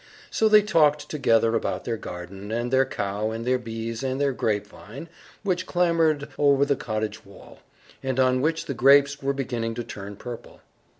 So they talked together about their garden, and their cow, and their bees, and their grapevine, which clambered over the cottage wall, and on which the grapes were beginning to turn purple.